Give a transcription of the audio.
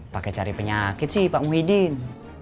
pakai cari penyakit sih pak muhyiddin